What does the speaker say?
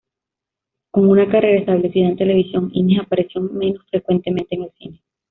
Con una carrera establecida en televisión, Hines apareció menos frecuentemente en el cine.